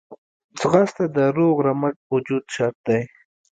ځغاسته د روغ رمټ وجود شرط دی